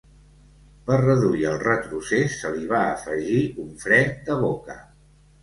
Per reduir el retrocés se li va afegir un fre de boca.